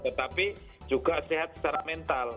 tetapi juga sehat secara mental